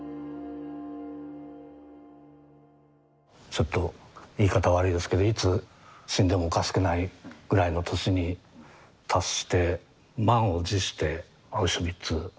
ちょっと言い方悪いですけどいつ死んでもおかしくないぐらいの年に達して満を持してアウシュビッツやるかっていう。